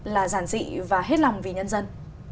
là giản dị và hết lòng vì nhân dân